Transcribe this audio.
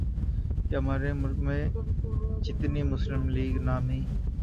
کیا ہمارے ملک میں جتنی مسلم لیگ نامی